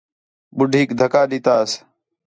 ٻُڈھیک دِھکا ݙِتّاس